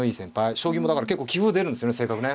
将棋もだから結構棋風出るんですよね性格ね。